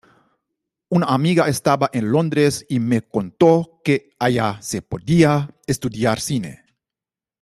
Una amiga estaba en Londres y me contó que allá se podía estudiar cine.